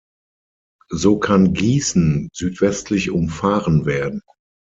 So kann Gießen südwestlich umfahren werden.